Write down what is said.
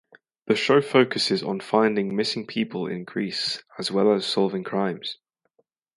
The show focuses on finding missing people in Greece as well as solving crimes.